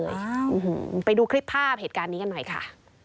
ไปดูคลิปภาพเหตุการณ์นี้กันหน่อยค่ะ